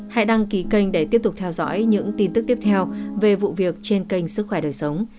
hãy đăng ký kênh để tiếp tục theo dõi những tin tức tiếp theo về vụ việc trên kênh sức khỏe đời sống